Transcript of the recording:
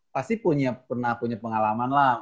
pasti pernah punya pengalaman lah